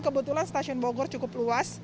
kebetulan stasiun bogor cukup luas